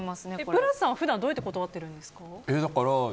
ブラスさんは普段どうやって断ってるんですか？